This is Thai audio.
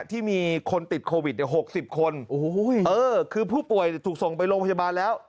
ที่มีคนติดโควิด๖๐คนคือผู้ป่วยถูกส่งไปโรงพยาบาลแล้ว